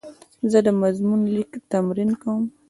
زه د مضمون لیک تمرین کوم.